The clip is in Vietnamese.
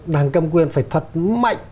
đảng cầm quyền phải thật mạnh